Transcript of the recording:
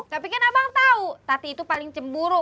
tapi kan abang tahu tati itu paling cemburu